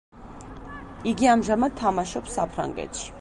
იგი ამჟამად თამაშობს საფრანგეთში.